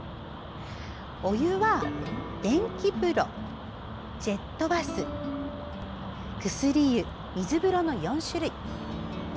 お湯は電気風呂、ジェットバス薬湯、水風呂の４種類。